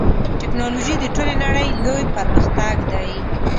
ټکنالوژي د ټولې نړۍ لوی پرمختګ دی.